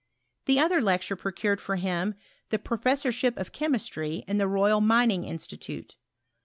The other lecture procured for him the pro* lessorship of chemistry in the Royal Mining Institu tute.